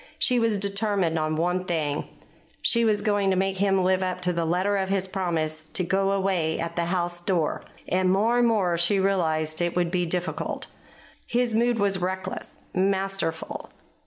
She was determined on one thing. She was going to make him live up to the letter of his promise to go away at the house door; and more and more she realized that it would be difficult. His mood was reckless, masterful.